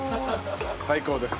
最高です。